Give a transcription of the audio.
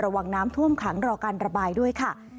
ระวังน้ำท่วมขังรอการระบายด้วยค่ะ